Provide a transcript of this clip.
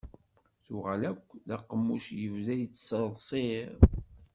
Yuɣal akk d aqemmuc yebda yettṣeṛṣiṛ.